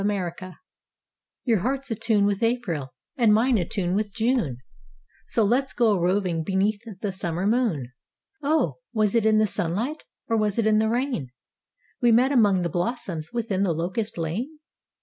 VAGABONDS Your heart's a tune with April and mine a tune with June, So let us go a roving beneath the summer moon: Oh, was it in the sunlight, or was it in the rain, We met among the blossoms within the locust lane?